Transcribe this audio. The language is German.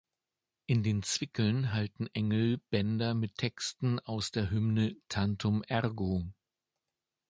In den Zwickeln halten Engel Bänder mit Texten aus der Hymne "Tantum ergo".